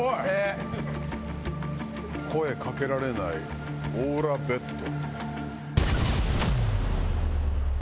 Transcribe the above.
「声かけられないオーラＢＥＴ」